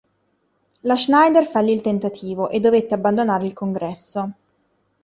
La Schneider fallì il tentativo e dovette abbandonare il Congresso.